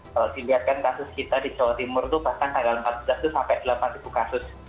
kalau dilihatkan kasus kita di jawa timur itu pasang tanggal empat belas sampai delapan kasus